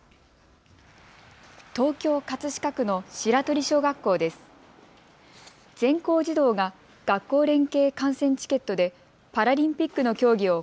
東京葛飾区の白鳥小学校です。